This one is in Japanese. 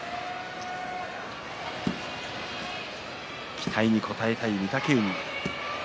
期待に応えたい御嶽海。